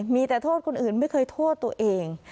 มีแต่โทษคนอื่นไม่เคยโทษตัวเอง